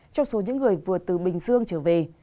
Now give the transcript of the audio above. trong số những người vừa từ bình dương trở về